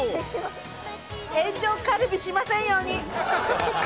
炎上カルビしませんように。